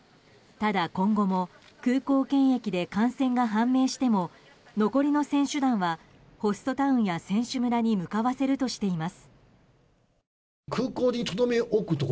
ただ今後も、空港検疫で感染が判明しても残りの選手団はホストタウンや選手村に向かわせるとしています。